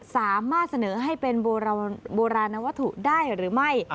สามารถเสนอให้เป็นโบราณวัตถุได้หรือไม่